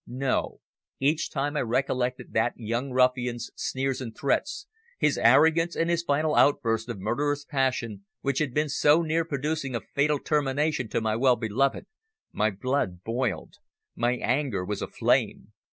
No. Each time I recollected that young ruffian's sneers and threats, his arrogance and his final outburst of murderous passion, which had been so near producing a fatal termination to my well beloved, my blood boiled. My anger was aflame.